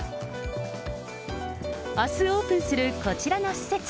あすオープンするこちらの施設。